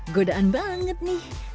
godaan banget nih